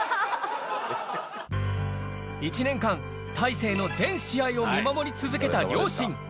１年間、大勢の全試合を見守り続けた両親。